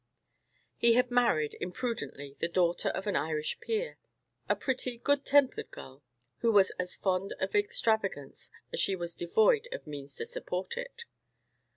He had married, imprudently, the daughter of an Irish peer, a pretty, good tempered girl, who was as fond of extravagance as she was devoid of means to support it.